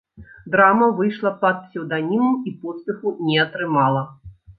Драма выйшла пад псеўданімам і поспеху не атрымала.